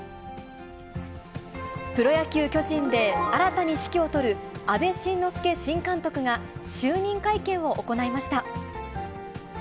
プロ野球・巨人で新たに指揮を執る阿部慎之助新監督が、就任会見を行いました。